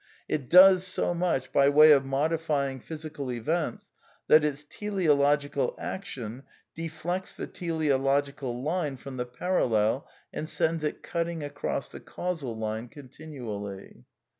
It does so much by way of modifying physical events that its teleological action de flects the teleological line from the parallel and sends it cutting across the causal line continually.